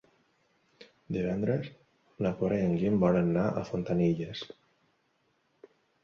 Divendres na Cora i en Guim volen anar a Fontanilles.